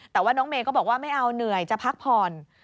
แต่ว่าน้องเมย์ก็บอกว่าไม่เอาเหนื่อยจะพักผ่อน